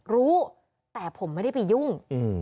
รู้แต่ผมไม่ได้ไปยุ่ง